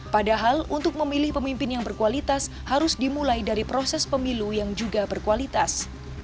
padahal untuk memilih pemimpin yang berkualitas harus dimulai dari proses pemilu yang juga berkualitas